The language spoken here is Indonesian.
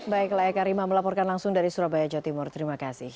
baiklah eka rima melaporkan langsung dari surabaya jawa timur terima kasih